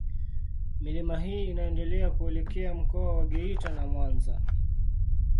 Milima hii inaendelea kuelekea Mkoa wa Geita na Mwanza.